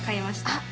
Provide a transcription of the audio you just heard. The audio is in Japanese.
あっ！